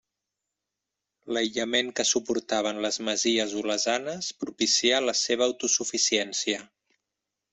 L'aïllament que suportaven les masies olesanes propicià la seva autosuficiència.